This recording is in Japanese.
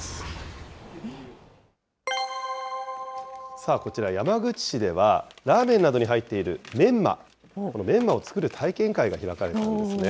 さあ、こちら山口市では、ラーメンなどに入っているメンマ、このメンマを作る体験会が開かれたんですね。